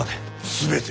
全て。